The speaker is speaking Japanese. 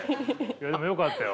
でもよかったよ。